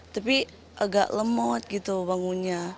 tapi agak lemot gitu bangunnya